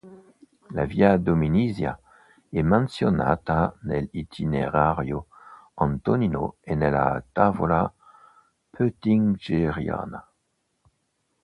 La via Domizia è menzionata nell'Itinerario antonino e nella Tavola Peutingeriana.